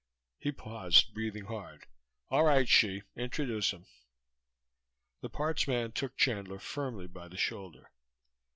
He paused, breathing hard. "All right, Hsi. Introduce him." The parts man took Chandler firmly by the shoulder.